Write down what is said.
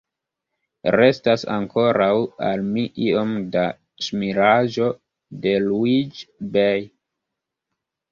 Restas ankoraŭ al mi iom da ŝmiraĵo de Luiĝi-bej.